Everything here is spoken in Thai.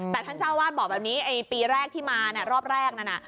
แต่ท่านเจ้าวาดบอกแบบนี้ไอ้ปีแรกที่มารอบแรกนั้น